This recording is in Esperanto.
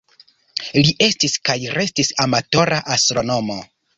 Li estis kaj restis amatora astronomo.